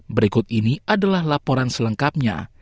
berikut ini adalah laporan selengkapnya